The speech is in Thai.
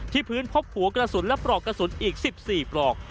พื้นพบหัวกระสุนและปลอกกระสุนอีก๑๔ปลอก